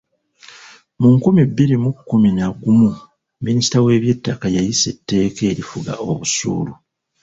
Mu nkumi bbiri mu kkumi na gumu minisita w'eby'ettaka yayisa etteeka erifuga obusuulu.